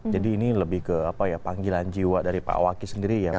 jadi ini lebih ke apa ya panggilan jiwa dari pak wakil sendiri ya pak ya